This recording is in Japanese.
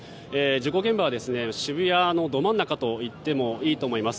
事故現場は渋谷のど真ん中といってもいいと思います